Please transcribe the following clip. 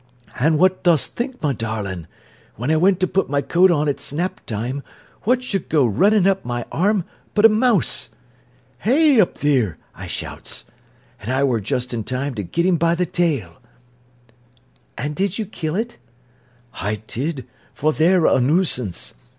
"An' what dost think, my darlin'? When I went to put my coat on at snap time, what should go runnin' up my arm but a mouse. "'Hey up, theer!' I shouts. "An' I wor just in time ter get 'im by th' tail." "And did you kill it?" "I did, for they're a nuisance.